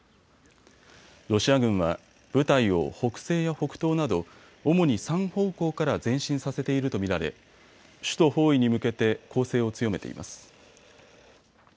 ロシア軍は部隊を北西や北東など主に３方向から前進させていると見られ首都包囲に向けて攻勢を強めています。